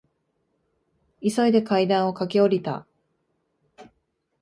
急いで階段を駆け下りた。